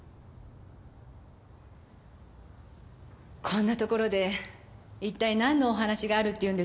こんなところで一体なんのお話があるっていうんですか？